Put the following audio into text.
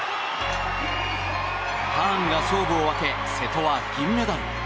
ターンが勝負を分け瀬戸は銀メダル。